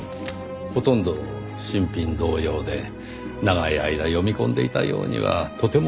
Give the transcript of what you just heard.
ほとんど新品同様で長い間読み込んでいたようにはとても見えません。